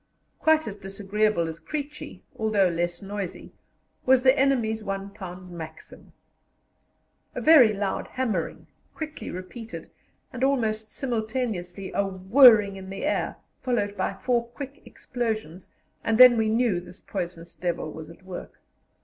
Quite as disagreeable as "Creechy," although less noisy, was the enemy's 1 pound Maxim. A very loud hammering, quickly repeated, and almost simultaneously a whirring in the air, followed by four quick explosions, and then we knew this poisonous devil was at work.